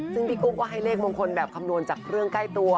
ซึ่งพี่กุ๊กก็ให้เลขมงคลแบบคำนวณจากเรื่องใกล้ตัว